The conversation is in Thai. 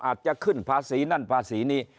อาจจะขึ้นภาษีนั่นภาษีนี้